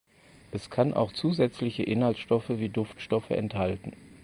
Es kann auch zusätzliche Inhaltsstoffe wie Duftstoffe enthalten.